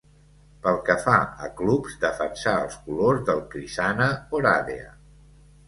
Pel que fa a clubs, defensà els colors del Crişana Oradea.